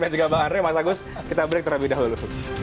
dan juga bang andre mas agus kita break terlebih dahulu